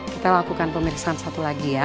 kita lakukan pemeriksaan satu lagi ya